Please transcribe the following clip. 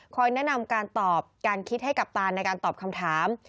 แนะนำการตอบการคิดให้กัปตันในการตอบคำถาม